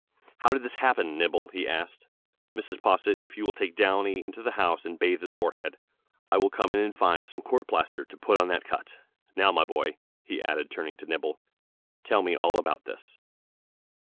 "How did this happen, Nibble?" he asked. "Mrs. Posset, if you will take Downy into the house and bathe his forehead, I will come in and find some court plaster to put on that cut. Now my boy," he added, turning to Nibble, "tell me all about this!"